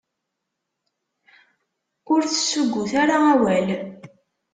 Ur tessuggut ara awal.